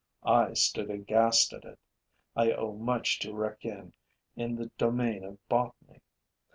I stood aghast at it. I owe much to Requien in the domain of botany.